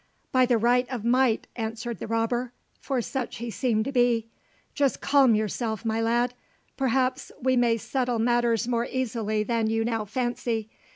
"By the right of might," answered the robber, for such he seemed to be. "Just calm yourself, my lad; perhaps we may settle matters more easily than you now fancy.